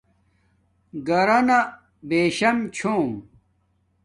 گھرونا بیشم چھوم